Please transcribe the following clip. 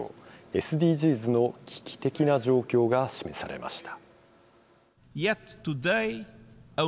ＳＤＧｓの危機的な状況が示されました。